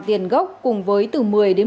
tiền gốc cùng với từ một mươi một mươi năm